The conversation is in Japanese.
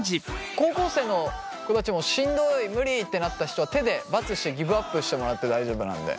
高校生の子たちもしんどい無理ってなった人は手でバツしてギブアップしてもらって大丈夫なんで。